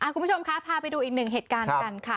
คุณผู้ชมคะพาไปดูอีกหนึ่งเหตุการณ์กันค่ะ